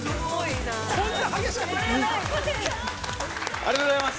ありがとうございます。